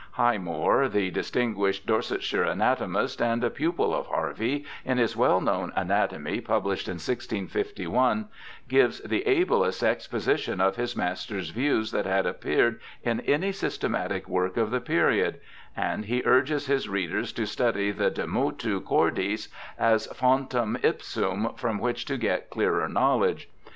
Highmore, the distin guished Dorsetshire anatomist, and a pupil of Harvey, in his well known Anatomy published in 1651, gives the ablest exposition of his master's views that had appeared in any systematic work of the period, and he urges his readers to study the de Motu Cordis as ' fontem ipsum ' from which to get clearer knowledge.